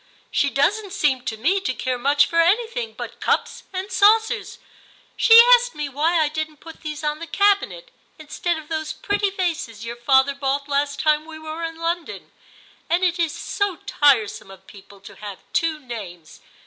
* She doesn't seem to me to care much for anything but cups and saucers ; she asked me why I didn't put these on the cabinet instead of those pretty vases your father bought last time we were in London ; and it is so tire some of people to have two names.